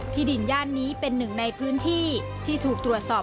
ดินย่านนี้เป็นหนึ่งในพื้นที่ที่ถูกตรวจสอบ